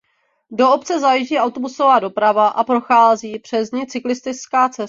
Do obce zajíždí autobusová doprava a prochází přes ni cyklistická stezka.